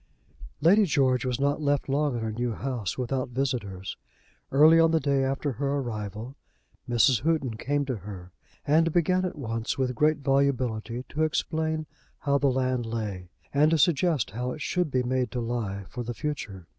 Lady George was not left long in her new house without visitors. Early on the day after her arrival, Mrs. Houghton came to her, and began at once, with great volubility, to explain how the land lay, and to suggest how it should be made to lie for the future.